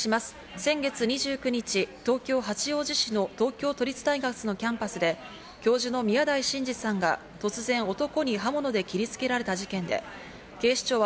先月２９日、東京・八王子市の東京都立大学のキャンパスで、教授の宮台真司さんが突然、男に刃物で切りつけられた事件で警視庁は